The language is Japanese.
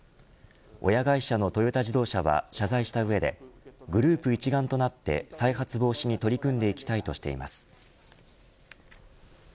親会社のトヨタ自動車は謝罪した上でグループ一丸となって再発防止に取り組んでいきたいとしています。